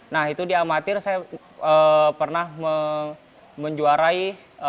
nah itu di amatir saya pernah menjuarai